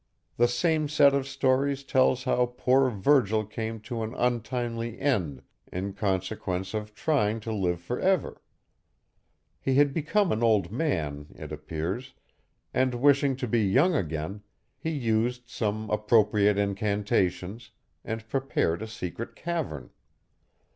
The same set of stories tells how poor Virgil came to an untimely end in consequence of trying to live forever. He had become an old man, it appears, and wishing to be young again, he used some appropriate incantations, and prepared a secret cavern.